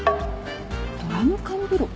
「ドラム缶風呂」？